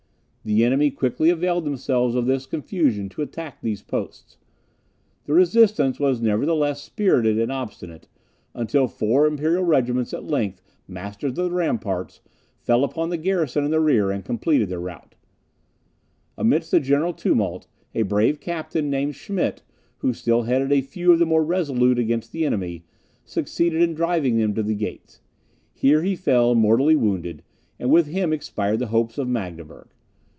The enemy quickly availed themselves of this confusion to attack these posts. The resistance was nevertheless spirited and obstinate, until four imperial regiments, at length, masters of the ramparts, fell upon the garrison in the rear, and completed their rout. Amidst the general tumult, a brave captain, named Schmidt, who still headed a few of the more resolute against the enemy, succeeded in driving them to the gates; here he fell mortally wounded, and with him expired the hopes of Magdeburg.